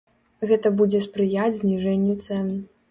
Гэта будзе спрыяць зніжэнню цэн.